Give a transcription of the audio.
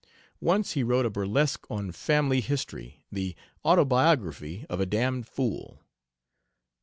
Once he wrote a burlesque on family history "The Autobiography of a Damned Fool."